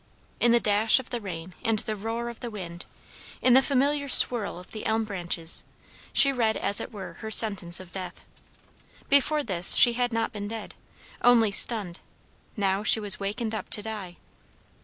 In the dash of the rain and the roar of the wind, in the familiar swirl of the elm branches, she read as it were her sentence of death. Before this she had not been dead, only stunned; now she was wakened up to die.